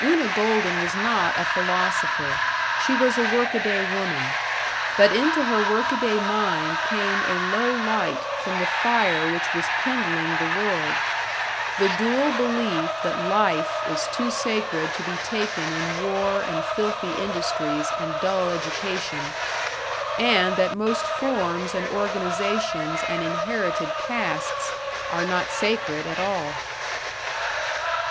Una Golden was not a philosopher; she was a workaday woman. But into her workaday mind came a low light from the fire which was kindling the world; the dual belief that life is too sacred to be taken in war and filthy industries and dull education; and that most forms and organizations and inherited castes are not sacred at all.